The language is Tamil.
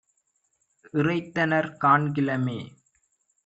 இறைத்தனர் காண்கிலமே.